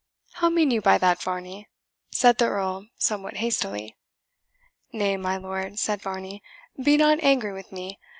"How mean you by that, Varney?" said the Earl somewhat hastily. "Nay, my lord," said Varney, "be not angry with me.